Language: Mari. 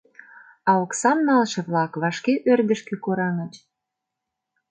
А оксам налше-влак вашке ӧрдыжкӧ кораҥыч.